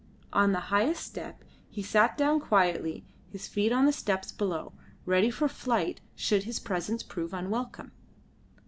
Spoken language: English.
On the highest step he sat down quietly, his feet on the steps below, ready for flight should his presence prove unwelcome.